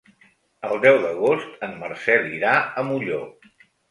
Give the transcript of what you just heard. El deu d'agost en Marcel irà a Molló.